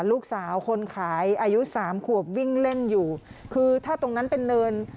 ลูกสาวคนขายอายุสามขวบวิ่งเล่นอยู่คือถ้าตรงนั้นเป็นเนิน